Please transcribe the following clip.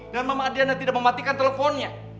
dan mama adriana tidak mematikan teleponnya